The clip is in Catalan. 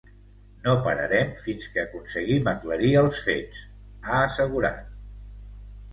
No pararem fins que aconseguim aclarir els fets, ha assegurat.